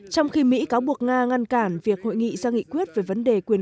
trong khi mỹ cáo buộc nga ngăn cản việc hội nghị ra nghị quyết về vấn đề quyền